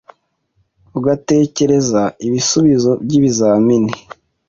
ugatekereza ibisubizo by’ibizamini